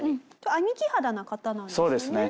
兄貴肌な方なんですよね？